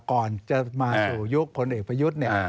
ก่อนจะมาสู่ยุคพลเอกประยุทธ์เนี่ย